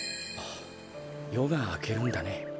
よがあけるんだね。